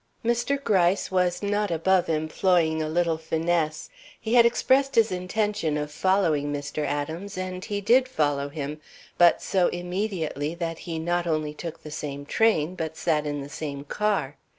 Mr. Gryce was not above employing a little finesse. He had expressed his intention of following Mr. Adams, and he did follow him, but so immediately that he not only took the same train, but sat in the same car.